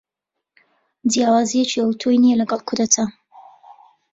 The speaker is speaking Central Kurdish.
جیاوازیەکی ئەتۆی نییە لەگەل کودەتا.